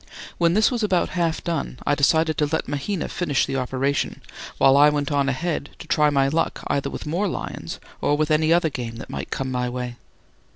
When this was about half done, I decided to let Mahina finish the operation, while I went on ahead to try my luck either with more lions or with any other game that might come my way.